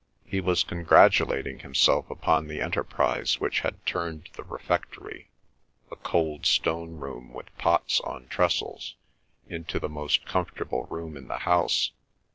He was congratulating himself upon the enterprise which had turned the refectory, a cold stone room with pots on trestles, into the most comfortable room in the house.